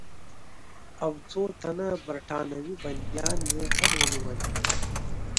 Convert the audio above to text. او څو تنه برټانوي بندیان یې هم ونیول.